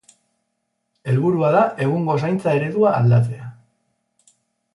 Helburua da egungo zaintza eredua aldatzea.